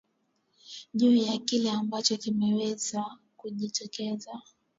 juu ya kile ambacho kimeweza kujitokeza